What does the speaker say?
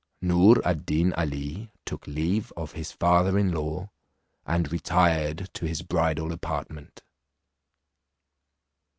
Noor ad Deen Ali took leave of his father in law, and retired to his bridal apartment.